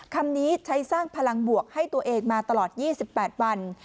คำนี้ใช้สร้างพลังบวกให้ตัวเองมาตลอด๒๘วัน